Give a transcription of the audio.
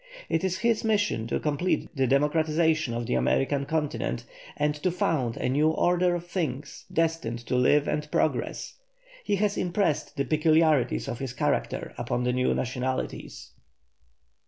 It is his mission to complete the democratization of the American continent and to found a new order of things destined to live and progress. He has impressed the peculiarities of his character upon the new nationalities.